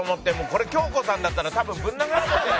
これ恭子さんだったら多分ブン殴られてた。